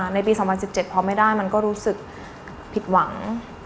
ในปี๒๐๑๗พอไม่ได้มันก็รู้สึกผิดหวัง